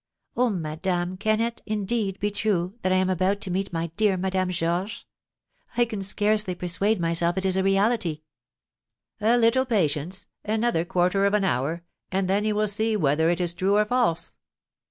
"Oh, madame, can it, indeed, be true that I am about to meet my dear Madame Georges? I can scarcely persuade myself it is reality." "A little patience, another quarter of an hour, and then you will see whether it is true or false."